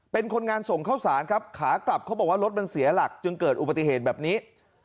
เป็นคนงานส่งข้าวสารครับขากลับเขาบอกว่ารถมันเสียหลักจึงเกิดอุบัติเหตุแบบนี้